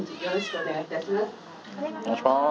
お願いします。